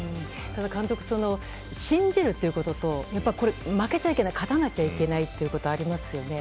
監督、信じるということと負けちゃいけない勝たなきゃいけないということありますよね。